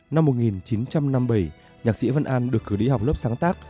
năm một nghìn chín trăm năm mươi bảy nhạc sĩ văn an được cử đi học lớp sáng tác